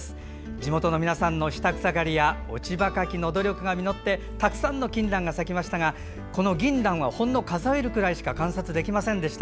地元の皆さんの下草狩りや落ち葉かきの努力が実ってたくさんのキンランが咲きましたがこのギンランはほんの数えるぐらいしか観察できませんでした。